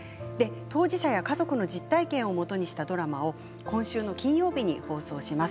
当事者や、家族の実体験をもとにしたドラマを今週、金曜日に放送します。